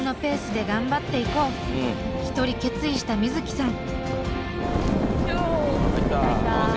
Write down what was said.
一人決意した瑞樹さん。